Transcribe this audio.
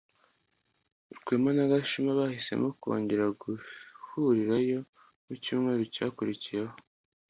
Rwema na Gashema bahisemo kongera guhurirayo mu cyumweru cyakurikiyeho.